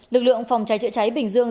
lực lượng phòng cháy chữa cháy bình dương